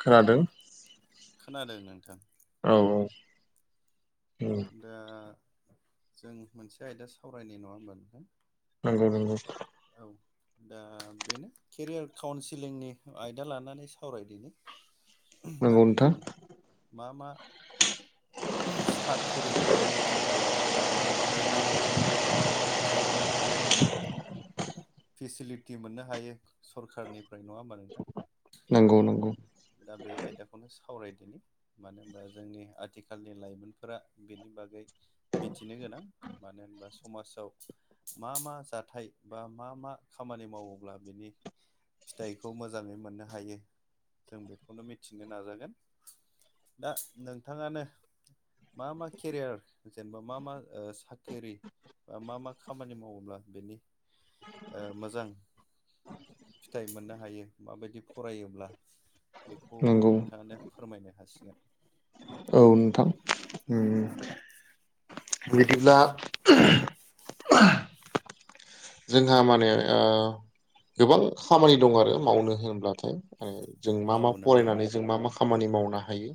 खोनादों खोनादों नोंथां। औ औ दा जों मोनसे आयदा सावरायनि नङा होमबा नोंथां? नोंगौ नोंगौ औ दा बेनो केरियार काउन्सिलिंनि आयदा लानानै सावरायदिनि। नंगौ मानि नोंथां जों मा मा साखरिखौ जों आथिखालाव मावोब्ला माबायदि जों फिसिलिटि मोननो हायो सरखारनि फ्राय नङा होमबा नोंथां? नंगौ नंगौ। दा बे आयदाखौनो सावरायदोनि। मानो होनबा जोंनि आथिखालनि लाइमोनफोरा बेनि बागै मिथिनो गोनां मानो होनबा समाजाव मा मा जाथाय बा मा मा खामानि मावोब्ला बेनि फिथाइखौ मोजाङै मोननो हायो। जों बेखौनो मिथिनो नाजागोन दा नोंथाङानो मा मा केरियार जेनेबा मा मा साख्रिरि बा मा मा खामानि मावोब्ला बेनि मोजां फिथाइ मोननो हायो माबायदि फरायोब्ला बेखौ नंगौ नोंथाङानो फोरमायनो हासिगोन। औ नोंथां बिदिब्ला जोंहा माने ओ गोबां खामानि दं आरो मावनो होनोब्लाथाय [unintelligible] जों मा औ मा नंगौ फरायनानै जों मा मा खामानि मावनो हायो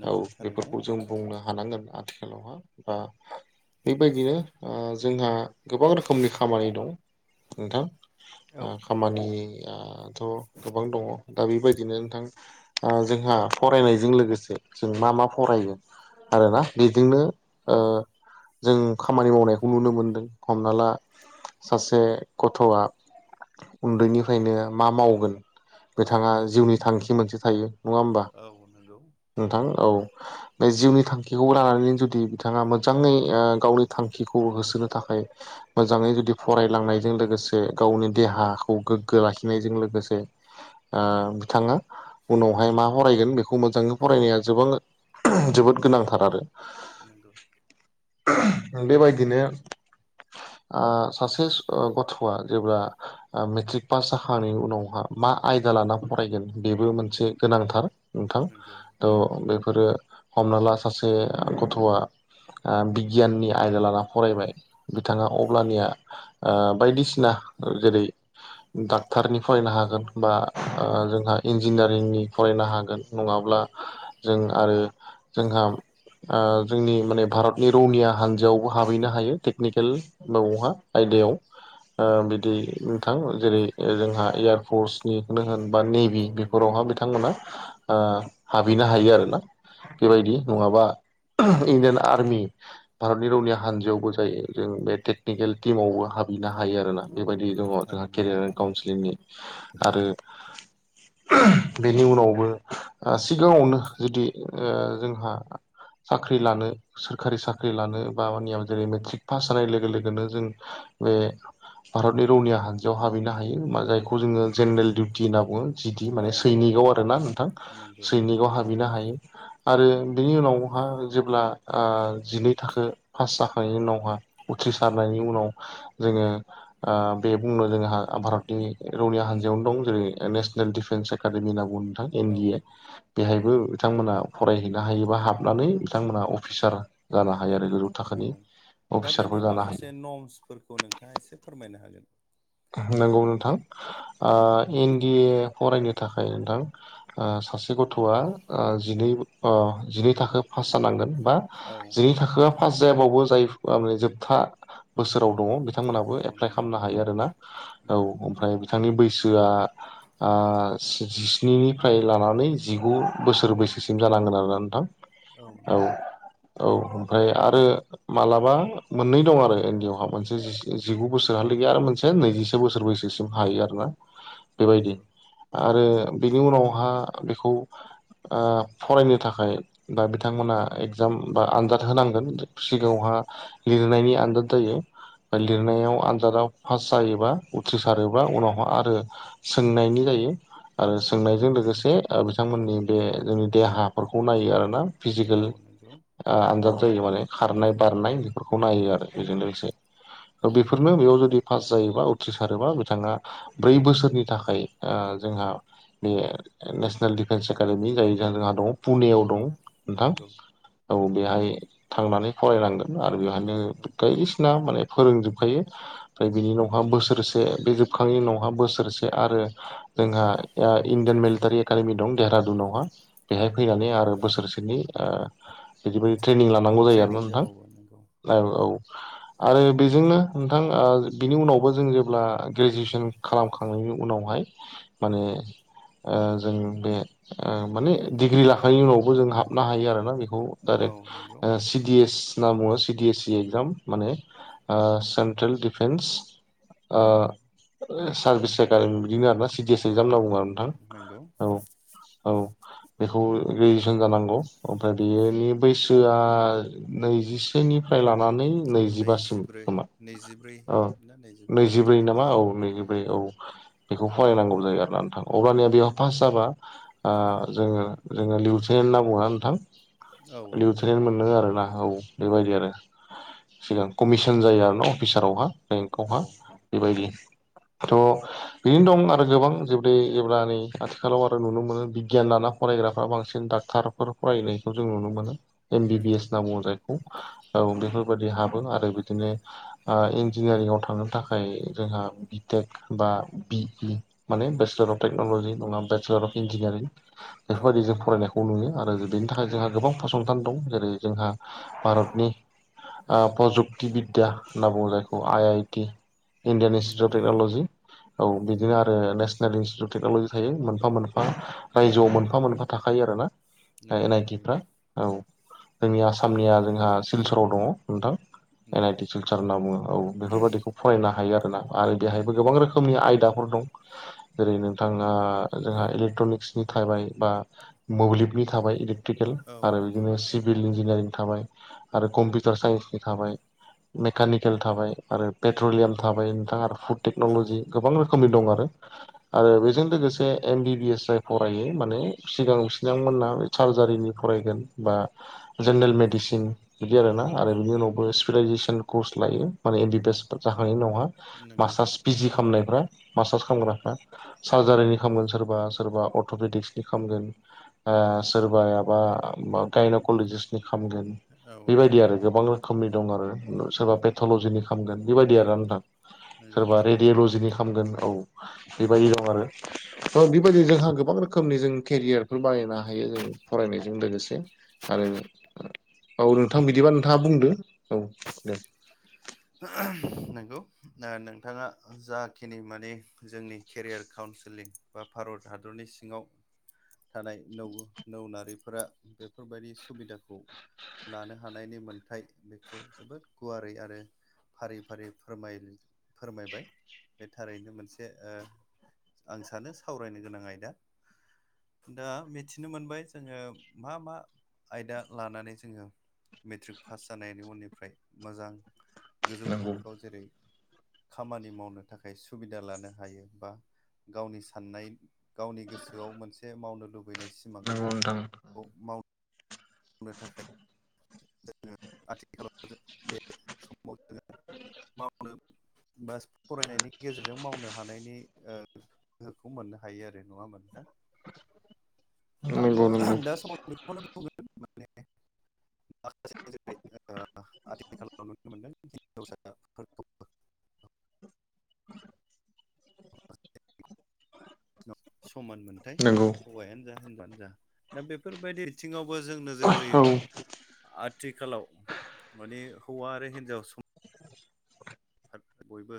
नंगौ औ थारैनो बेफोरखौ जों बुंनो हानांगोन आथिखालावहा बा बेबायदिनो ओ जोंहा गोबां रोखोमनि खामानि दं नोंथां औ ओ खामानियाथ गोबां दङ दा बेबायदिनो नोंथां ओ जोंहा फरायनायजों लोगोसे जों मा मा फरायो आरोना बेजोंनो ओ जों खामानि मावनायखौ नुनो मोनदों हमना ला सासे गथ'आ उन्दैनिफ्रायनो मा मावगोन बिथाङा जिउनि थांखि मोनसे थायो। नङा होमबा नंगौ नोंथां औ। बे जिउनि थांखिखौ लानानैनो जुदि बिथाङा मोजाङै गावनि थांखिखौ होसोनो थाखाय मोजाङै जुदि फरायलांनायजों लोगोसे गावनि देहाखौ गोग्गो लाखिनायजों लोगोसे ओ बिथाङा उनावहाय मा फरायगोन बेखौ मोजाङै फरायनाया [unintelligible] जोबोद गोनांथार आरो नंगौ बेबायदिनो आ सासे ओ गथ आ जेब्ला ओ मेट्रिक पास जाखांनायनि उनावहा मा आयदा लाना फरायगोन बेबो मोनसे गोनांथार नोंथां नंगौ थ नंगौ बेफोरो हमना ला सासे गथआ आ बिगियाननि आयदा लाना फरायबाय बिथाङा अब्लानिया ओ बायदिसिना जेरै डाक्टारनि फरायनो हागोन बा ओ जोंहा इन्जिनियारिंनि फरायनो हागोन नङाब्ला जों आरो जोंहा ओ जोंनि माने भारतनि रौनिया हान जायावबो हाबहैनो हायो टेकनिकेल माबावहा आयदायाव ओ बिदि नोंथां जेरै जोंहा एयारफर्स [unintelligible] होन औ बा नेभि औ नंगौ बेफोरावहा बिथांमोना ओ हाबहैनो हायो आरोना नंगौ बेबायदि नङाबा इण्डियान आर्मि भारतनि रौनिया हानजायावबो जाय जों बे टेकनिकेल टिमावबो हाब हैनो हायो आरोना बेबायदि नंगौ दङ जोंहा थारैनो केरियार काउन्सिलिंनि आरो बेनि उनावबो ओ सिगाङावनो जुदि ओ जोंहा साख्रि लानो सोरखारि साख्रि लानो बा [unintelligible] जेरै मेट्रिक पास जानाय लोगो लोगोनो जों बे भारतनि रौनिया हान्जायाव हाबहैनो हायो मा जायखौ जोङो जेनेरेल डिउटि होनना बुङो जिदि औ माने नंगौ सैनिगाव आरो ना नोंथां नंगौ सैनिगाव हाबहैनो हायो आरो बिनि उनावहा जेब्ला आ जिनै थाखो पास जा नायनि उनावहा उथ्रिसारनायनि उनाव जोङो ओ बे बुंनो जोंहा भारतनि रौनिया हान्जायावनो दं जेरै नेसनेल डिफेन्स एकादेमि होनना बुङो नों थां औ एनडि ए नंगौ बेहायबो नोंथांमोना फरायहैनो हायो बा हाबनानै नोंथांमोना अफिसार जानो हायो आरो गोजौ औ थाखोनि दा बेनि अफिसारफोर जानो हायो माखासे नमसफोरखौ नोंथाङा एसे फोरमायनो हागोन नंगौ नोंथां ओ एनडि ए फरायनो थाखाय नोंथां ओ सासे ग थ आ ओ जिनै अ जिनै थाखो पास जानांगोन बा औ जिनै थाखोआ पास जायाबाबो जाय माने जोबथा बोसोराव दङ बिथांमोनहाबो औ एप्लाइ नंगौ खालामनो हायो आरोना औ नंगौ ओमफ्राय बिथांनि बैसोआ ओ जिस्निनिफ्राय लानानै जिगु बोसोर बैसोसिम जानांगोन आरोना नोंथां औ औ ओमफ्राय आरो मालाबा मोननै दं आरो एनडियावहा मोनसे जिगु बोसोरहालागै आरो मोनसे नैजिसे बोसोर बैसोसिम हायो आरो ना बेबायदि नंगौ आरो बेनि उनावहा बेखौ ओ फरायनो थाखाय बा बिथांमोना एगजाम बा आनजाद होनांगोन सिगाङावहा लिरनायनि आनजाद जायो औ लिरनायाव आनजादाव पास जायोबा उथ्रिसारोबा उनावहा आरो सोंनायनि जायो आरो सोंनायजों लोगोसे ओ बिथांमोननि बे जोंनि देहाफोरखौ नायो आरोना फिजिकेल औ नंगौ ओ आनजाद जायो माने खारनाय बारनाय बेफोरखौ नायो आरो बेजों लोगोसे बेफोरनो बेयाव जुदि पास जायोबा उथ्रिसारोबा बिथाङा ब्रै बोसोरनि थाखाय ओ जोंहा बे नेसनेल डिफेन्स एकादेमि जाय जोंहा दं पुनेयाव दं नोंथां नंगौ औ बेहाय थांनानै फरायनांगोन। आरो बेहायनो औ बायदिसिना माने फोरोंजोबखायो। ओमफ्राय बिनि उनावहा बोसोरसे बे जोबखांनायनि उनावहा बोसोरसे आरो जोंहा इण्डियान मिलिटारि एकाडेमि दं देरादुनावहा बेहाय फैनानै आरो बोसोरसेनि ओ बिदिबायदि ट्रेनिं लानांगौ जायो ट्रेनिं आरोना नोंथां जाबावो नंगौ औ आरो बेजोंनो नोंथां ओ बिनि उनावबो जों जेब्ला ग्रेजुवेसन खालामखांनायनि उनावहाय माने ओ जों बे माने डिग्रि ला खांनायनि उनावबो जों हाबनो हायो आरोना बेखौ औ डाइरेक्ट नंगौ सि डि एस होनना बुङो सि डि एस एगजाम माने ओ सेन्ट्रेल डि डिपेन्स ओ सार्भिस बिदिनो आरोना सि डि एस एक्जाम औ होनना बुङो आरो नंगौ नोंथां औ औ बेखौ ग्रेजुवेसन जानांगौ ओमफ्राय बेयोनि बैसोआ नैजि सेनिफ्राय लानानै नैजिबासिम नैजिब्रै खोमा नैजिब्रै औ ना नैजिबा नैजिब्रै बिदिनि नामा गेजेर औ नैजिब्रै औ बेखौ फरायनांगौ जायो आरोना नोंथा अब्लानिया बेयाव पास जाबा ओ जोङो जोङो लिउटेन होनना बुङोना नोंथां औ नंगौ लिउटेनेल मोनो आरोना औ बेबायदि आरो सिगां कमिसन जायो आरो ना अफिसारावहा औ बेंखौहा बेबायदि थ' बिनो दं आरो गोबां [unintelligible] आथिखालाव आरो नुनो मोनो बिगियान लाना फरायग्राफ्रा बांसिन डक्ट थारफोर फरायनायखौ जों नुनो मोनो एम बि बि नंगौ एस होनना बुङो जायखौ औ बेफोरबादि हाबो आरो बिदिनो इन्जिनियारिंआव थांनो थाखाय जोंहा बिटेक बा बि इ माने बेसेलर अफ टेक्न'लजि नङाबा बेसेलर अफ इन्जिनियारिं औ बेफोरबायदि जों नंगौ फरायनायखौ खौ नुयो आरो बेनि थाखाय जोंहा गोबां फसंथान दं जेरै जोंहा भारतनि आ प्रजुक्ति बिद्या होनना बुंङो जायखौ खौ I I T Indian institute of नंगौ टेक्न'लजि औ बिदिनो आरो नेसनेल इन्स्टिटिउट टेक्न'लजि थायो मोनफा मोनफा रायजोआव मोनफा मोनफा थाखायो आरोना नंगौ एन आइ टिफ्रा थारैनो औ जोंनि आसामनिया जोंहा सिलचराव दङ नोंथां एन आइ नंगौ टि सिलचर होनना बुङो औ बेफोरबादिखौ फरायनो हायो आरोना आरो हायोबा गोबां रोखोमनि आयदाफोर दं जेरै नोंथाङा आरो जोंहा एलेकट्रनिक बा मोब्लिबनि थाबाय औ आरो नंगौ बि सिभिल इन्जिनियारिं थाबाय आरो कम्पिउटार साइन्सनि थाबाय मेकानिक केल थाबाय आरो पेट्रलियाम थाबाय नोंथाङा आरो फुड औ टेक्न'लजि गोबां रोखोमनि दं आरो [unintelligible] [inaudible] आरो बेजों लोगोसे एम बि बि एस जाय फरायो माने सिगां बिथांमोना बे सार्जारिनि फरायगोन बा जेनेरेल मेडिसिन बिदि आरोना नंगौ आरो बिनि उनावबो स्पिलाइजेसन कर्स लायो माने एनडि बि एस जाखांनाय नङा नंगौ मास्टार्स पि जिि खालामनायफ्रा मास्टार्स खालामग्राफ्रा सार्जारिनि खालामगोन सोरबा सोरबा अट'पेटिक्सनि खालामगोन सोरबायाबा गायनकलजिस्नि खामगोन औ बेबायदि नंगौ आरो गोबां रोखोमनि दं आरो सोरबा पेटलजिनि खालामामगोन बेबायदि आरो नोंथां नंगौ सोरबा थारैनो रेडिअलजिनि खालामामगोन औ बेबायदि दं आरो ओ बेबायदि जोंहा गोबां रोखोमनि जों केरियारफोर बानायनो हायो जों फरायनायजों लोगोसे आरो औ नोंथां बिदिबा नोंथाङा बुंदो औ दे [inaudible] नंगौ नोंथाङा जाखिनि मानि जोंनि केरियार काउन्सिलिं बा भारत हादरनि सिङाव थानाय नौ नौ नारिफोरा बेफोरबायदि सुबिदाखौ लानो हानायनि मोनथाय बेखौ जोबोद गुवारै आरो फारि फारि फोरमाय फोरमायबाय बे थारैनो मोनसे ओ आं सानो सावरायनो गोनां आयदा दा मिथिनो मोनबाय जोङो मा मा आयदा लानानै जोङो मेट्रिक पास जानायनि उननिफ्राय मोजां गोजौ नंगौ थाखोआव जेरै खामानि मावनो थाखाय सुबिदा लानो हायो बा गावनि साननाय गावनि गोसोआव मोनसे मावनो लुबैनाय नंगौ नोंथां। औ मा नो थाखाय जोङो आथिखालाव बे समाव जोंओ मावनो बा फरायनायनि गेजेरजों मावनो हानायनि ओ गोहोखौ मोननो हायो आरो नङा होनबा नोंथां आङो नंगौ नंगौ दा समाव बेखौनो बुंगोन माने माखासे जै आथिखालाव नुनो मोनदों हिनजावसाफोरखौ [inaudible] म [unintelligible] समान मोनथाय नंगौ हौवायानो जा हिनजावानो जा दा बे बेफोरबायदि बिथिङावबो जों नोजोर औ होयोबा आथिखालाव माने हौवा आरो हिनजाव सम बयबो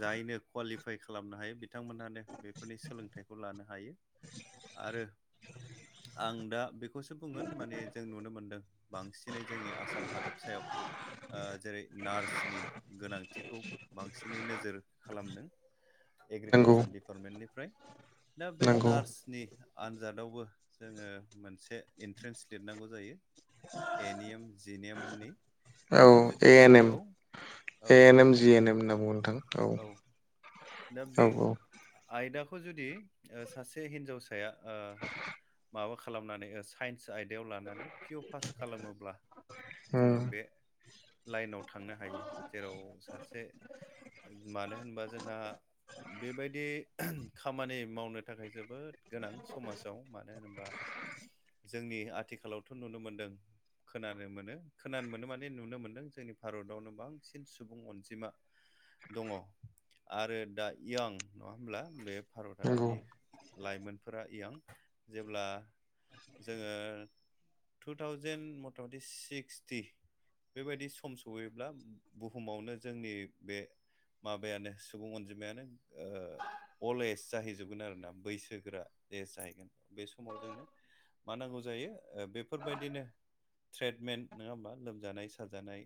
जायनो कुवालिफाइ खालामनो हायो बिथांमोनहानो बेफोरनि सोलोंथाइ लानो हायो आरो आं दा बि बे खौसो बुंगोन माने जों नुनो मोन्दों बांसिनै जोंनि आसाम हादबसायाव ओ जेरै नार्सनि गोनां थिखौ बांसिनै नोजोर खालामदों नंगौ एग्रिकालसार डिपार्टमेन्टनिफ्राय। दा बे नंगौ नार्स नि आनजादावबो जोङो मोनसे एन्ट्रेन्स लिरनांगौ जायो ए निएम जिनेमनि औ दा जुदि ए एन एम बेखौ औ A N M G N M होन्ना बुङो औ दा बे औ आयदाखौ जुदि सासे हिनजावसा फिसाया माबा खालामनानै साइन्स आयदायाव लानानै पिअ पास खालामोब्ला औ जोङो बे लाइनाव थांनो हायो जेराव सासे मानो होनबा जोंहा बेबायदि खामानि मावनो थाखाय जोबोद गोनां समाजाव मानो होनोबा जोंनि आथिखालावथ' नुनो मोनदों खोनानो मोनो खोनानो मोनो माने नुनो मोन्दों जोंनि भारतआवनो बांसिन सुबुं अनजिमा दङ आरो दा इयां नङा होमब्ला बे भारत नंगौ हादरनि लाइमोनफोरा इयां जेब्ला जोङो टु थावजेन मथा मथि सिक्सटि बेबायदि सम सहैब्ला बुहुमावनो जोंनि बे माबायानो सुबुं अनजिमायानो अल्ड एज जाहैजोबगोन आरोना बैसोगोरा एज जाहैगोन बे समाव जोंनो मा नांगौ जायो बेफोरबायदिनो ट्रेटमेन्ट नङा होमबा लोमजानाय साजानाय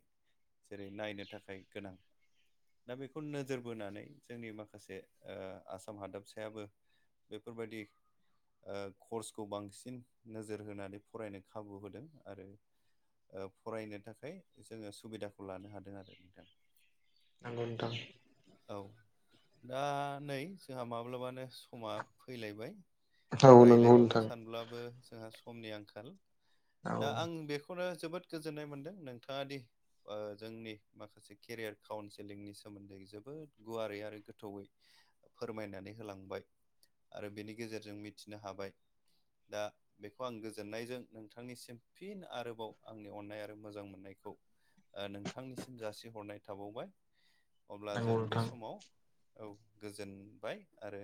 जेरै नायनो थाखाय गोनां दा बेखौ नोजोर बोनानै जोंनि माखासे आसाम हादाबसायाबो बेफोरबायदि कर्सखौ बांसिन नोजोर होनानै फरायनो खाबु होदों आरो फरायनो थाखाय जोङो सुबिदाखौ लानो हादों आरो नोंथां नंगौ नोंथां। औ। दा नै जोंहा माब्लाबानो समा फैलायबाय। औ नंगौ रायज्लायबावनो नोंथां सानब्लाबो जोंहा समनि आंखाल औ दा आं बेखौनो जोबोद गोजोननाय मोनदों नोंथाङा दि जोंनि माखासे केरियार काउन्सिलिंनि सोमोन्दै जोबोद गुवारै आरो आरो गोथौयै फोरमायनानै होलांबाय आरो बेनि गेजेरजों मिथिनो हाबाय दा बेखौ आं गोजोननायजों नोंथांनिसिम फिन आरोबाव आंनि अन्नाय आरो मोजां मोननायखौ नोंथांनिसिम जासिहरनाय थाबावबाय अब्ला नंगौ जों बे नोंथां समाव औ गोजोनबाय आरो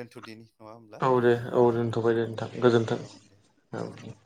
दोनथ'दिनि नङा होमब्ला औ दे औ दोनथ'बाय दे नोंथां गोजोनथों औ दे औ गोजोन्थों